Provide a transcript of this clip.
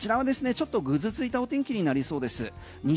ちょっとぐずついたお天気になりそうです。